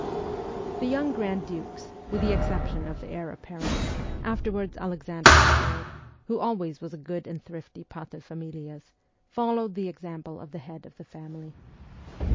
The young grand dukes, with the exception of the heir apparent, afterwards Alexander III., who always was a good and thrifty paterfamilias, followed the example of the head of the family.